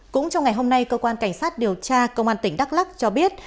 cũng trong ngày hôm nay cơ quan cảnh sát điều tra công an tỉnh đắk lắc cho biết